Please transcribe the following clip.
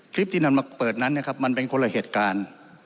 คลิปที่นำมาเปิดนั้นนะครับมันเป็นคนละเหตุการณ์